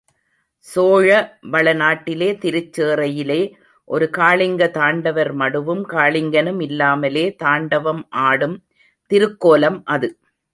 சோழ வளநாட்டிலே திருச் சேறையிலே ஒரு காளிங்க தாண்டவர் மடுவும் காளிங்கனும் இல்லாமலே தாண்டவம் ஆடும் திருக்கோலம் அது.